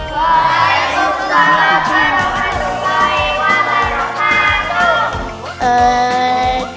waalaikumsalam warahmatullahi wabarakatuh